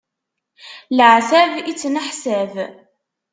Leɛtab i ttneḥsab.